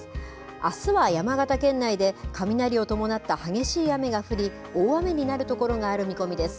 あすは山形県内で雷を伴った激しい雨が降り、大雨になる所がある見込みです。